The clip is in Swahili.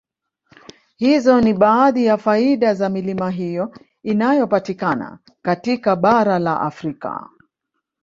Hizo ni baadhi ya faida za milima hiyo inayopatikana katika bara la Afrika